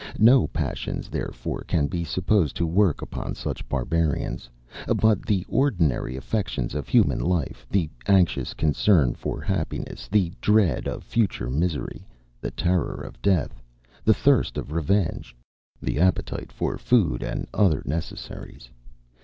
No passions, therefore, can be supposed to work upon such barbarians, but the ordinary affections of human life; the anxious concern for happiness, the dread of future misery, the terror of death, the thirst of revenge, the appetite for food and other necessaries.